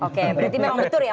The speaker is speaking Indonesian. oke berarti memang betul ya